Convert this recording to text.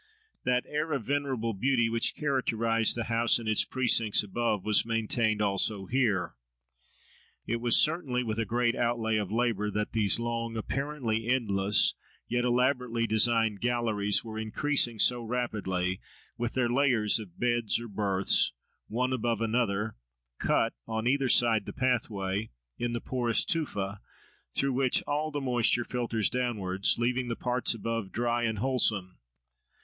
That air of venerable beauty which characterised the house and its precincts above, was maintained also here. It was certainly with a great outlay of labour that these long, apparently endless, yet elaborately designed galleries, were increasing so rapidly, with their layers of beds or berths, one above another, cut, on either side the path way, in the porous tufa, through which all the moisture filters downwards, leaving the parts above dry and wholesome.